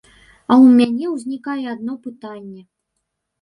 А ў мяне ўзнікае адно пытанне.